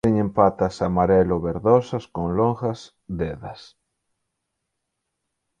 Teñen patas amarelo verdosas con longas dedas.